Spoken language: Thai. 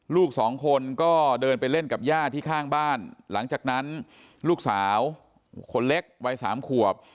ลูกสองคนก็เดินไปเล่นกับย่าที่ข้างบ้านหลังจากนั้นลูกสาวคนเล็กวัยสามขวบ